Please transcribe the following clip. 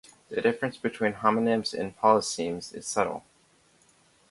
The difference between homonyms and polysemes is subtle.